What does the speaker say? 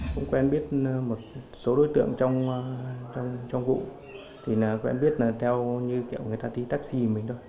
cũng quen biết một số đối tượng trong vụ thì quen biết là theo như kiểu người ta đi taxi mình thôi